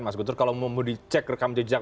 mas guntur kalau mau dicek rekam jejak